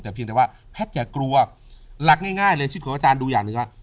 แต่เพียงแต่ว่าแพทย์อย่ากลัวหลักง่ายเลยชีวิตของอาจารย์ดูอย่างหนึ่งว่า